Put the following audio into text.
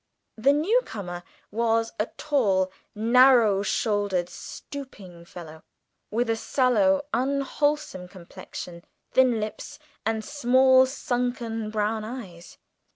The new comer was a tall, narrow shouldered, stooping fellow, with a sallow, unwholesome complexion, thin lips, and small sunken brown eyes.